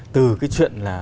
từ cái chuyện là